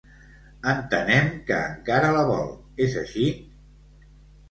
Entenem que encara la vol, és així?